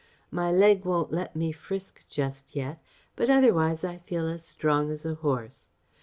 My leg won't let me frisk just yet, but otherwise I feel as strong as a horse.